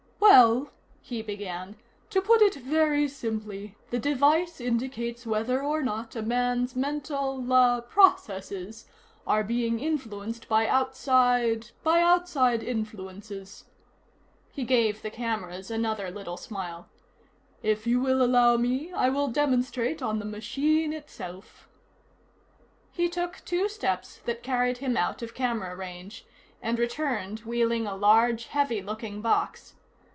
"Well," he began, "to put it very simply, the device indicates whether or not a man's mental ah processes are being influenced by outside by outside influences." He gave the cameras another little smile. "If you will allow me, I will demonstrate on the machine itself." He took two steps that carried him out of camera range, and returned wheeling a large heavy looking box.